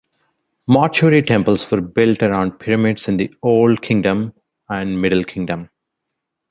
Mortuary temples were built around pyramids in the Old Kingdom and Middle Kingdom.